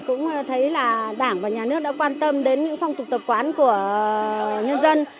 cũng thấy là đảng và nhà nước đã quan tâm đến những phong tục tập quán của nhân dân